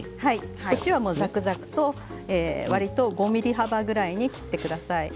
こちらはわりとザクザクと５ｍｍ幅ぐらいに切ってください。